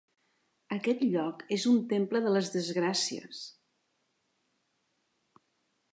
Aquest lloc és un temple de les desgràcies!